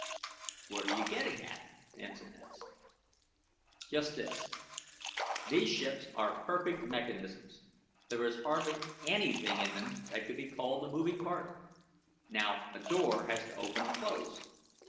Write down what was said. "What are you getting at?" Hansen asked. "Just this. These ships are perfect mechanisms. There is hardly anything in them that could be called a moving part. Now a door has to open and close.